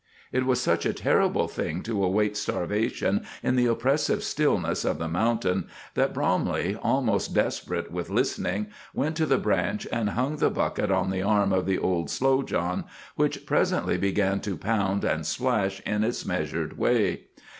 It was such a terrible thing to await starvation in the oppressive stillness of the mountain, that Bromley, almost desperate with listening, went to the branch and hung the bucket on the arm of the old Slow John, which presently began to pound and splash in its measured way.